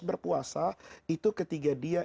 berpuasa itu ketika dia